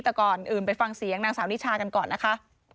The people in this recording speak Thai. แต่ก่อนอื่นไปฟังเสียงนางสาวนิชากันก่อนนะคะ